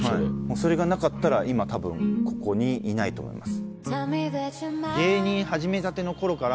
それがなかったら今多分ここにいないと思います。